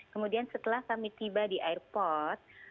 kemudian setelah kami tiba di airport